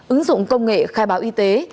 ứng dụng công nghệ khai báo y tế